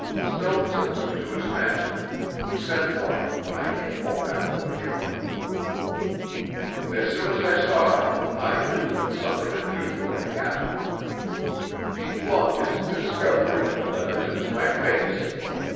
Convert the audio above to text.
Stone took them to his master, who sent for me when I came home after the funeral. "As soon as I saw him, I knew that something unusual had happened. He flung his 'discovery' of the letters into my face.